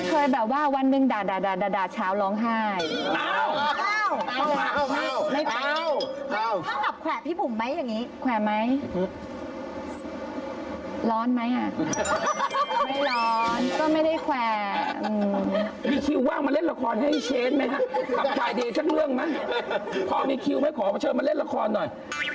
คลับไฟเดย์สักเรื่องมั้ยพอมีคิวให้ขอมาเชิญมาเล่นละครหน่อย